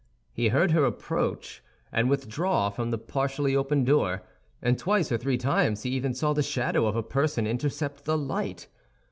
He heard her approach and withdraw from the partially open door; and twice or three times he even saw the shadow of a person intercept the light.